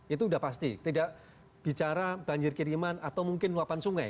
itu sudah pasti tidak bicara banjir kiriman atau mungkin luapan sungai